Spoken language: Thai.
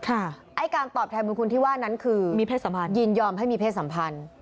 ไอ้กางตอบแทนบุญคุณที่ว่านั้นคือยินยอมให้มีเพศสัมพันธ์